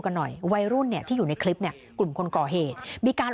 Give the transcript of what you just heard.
วัยรุ่นเนี่ยที่อยู่ในคลิปเนี่ยกลุ่มคนก่อเหตุมีการ